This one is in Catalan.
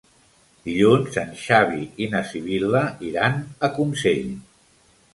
Dilluns en Xavi i na Sibil·la iran a Consell.